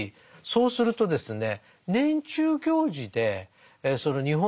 そうするとですね